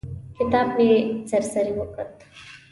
کتاب مې سر سري وکوت.